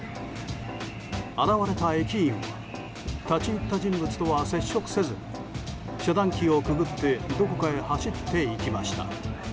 現れた駅員は立ち入った人物とは接触せずに遮断機をくぐってどこかへ走っていきました。